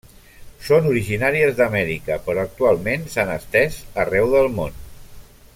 Són originàries d'Amèrica, però actualment s'han estès arreu del món.